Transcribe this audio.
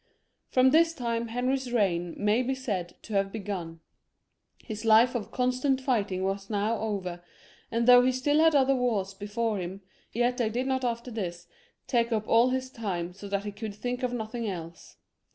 From this time Henry's reign may be said to have be gun ; his life of constant fighting was now over, and though he still had other wars before him, yet they did not after this take up all his time so that he could think of nothing else.